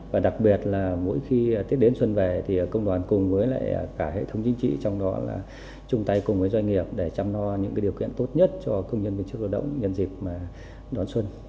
và đặc biệt là mỗi khi tết đến xuân về thì công đoàn cùng với lại cả hệ thống chính trị trong đó là chung tay cùng với doanh nghiệp để chăm no những điều kiện tốt nhất cho công nhân viên chức lao động nhân dịp đón xuân